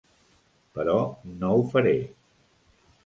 Però no ho faré.